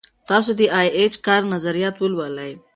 تاسو د ای اېچ کار نظریات ولولئ.